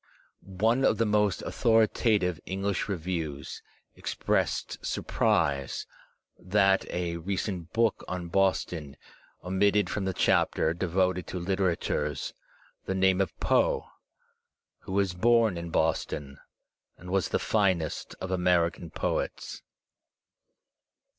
One of the most authorita tive English reviews expressed surprise that a recent book on Boston omitted from the chapter devoted to litterateurs the Digitized by Google POE 125 name of Poe, who was bom in Boston and was the finest of American poets.